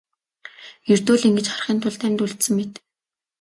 Ердөө л ингэж харахын тулд амьд үлдсэн мэт.